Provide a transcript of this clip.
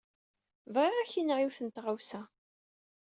Bɣiɣ ad ak-iniɣ yiwet n tɣawsa.